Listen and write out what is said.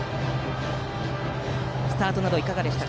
スタートなどはいかがでしたか。